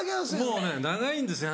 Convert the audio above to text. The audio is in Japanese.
もう長いんですよ